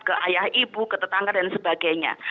ke ayah ibu ke tetangga dan sebagainya